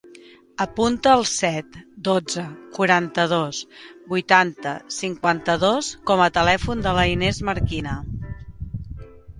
Apunta el set, dotze, quaranta-dos, vuitanta, cinquanta-dos com a telèfon de l'Inés Marquina.